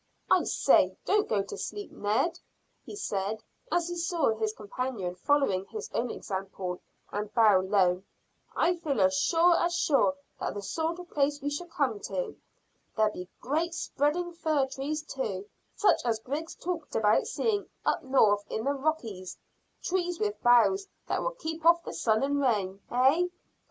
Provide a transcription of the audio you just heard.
"I say, don't go to sleep, Ned," he said, as he saw his companion follow his own example and bow low. "I feel as sure as sure that's the sort of place we shall come to. There'll be great spreading fir trees too, such as Griggs talked about seeing up north in the Rockies trees with boughs that will keep off the sun and rain, eh?"